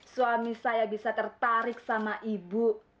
suami saya bisa tertarik sama ibu